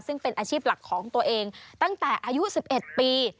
ซึ่งเป็นอาชีพหลักของตัวเองตั้งแต่อายุ๑๑ปี